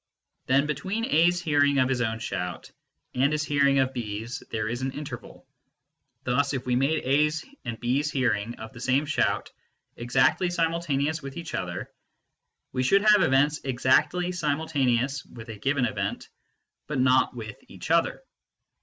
Then between A s hearing of his own shout and his hearing of B s there is an interval ; thus if we made A s and B s hearing of the same shout exactly simultaneous with each other, we should have events exactly simultaneous with a given event but not with each other.